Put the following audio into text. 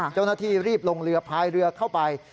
เจ้าหน้าที่รีบลงเรือพายเรือเข้าไป